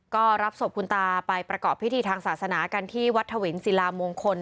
ก็รับศพคุณตาไปประกอบพิธีทางศาสนากันที่วัดถวินศิลามงคล